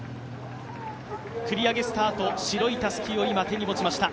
繰り上げスタート、白いたすきを今、手に持ちました。